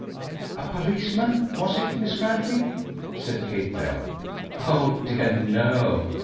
"A policeman, was it, Miss Grantley?" said Kate Bell. "Oh, dear! no.